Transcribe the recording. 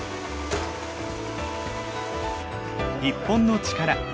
『日本のチカラ』